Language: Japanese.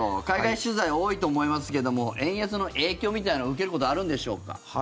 海外取材、多いと思いますけども円安の影響みたいなの受けることはあるんでしょうか。